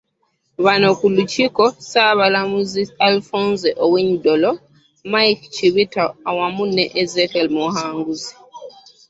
Bano kuliko; Ssaabalamuzi Alfonse Owiny Dollo, Mike Chibita awamu ne Ezekiel Muhanguzi.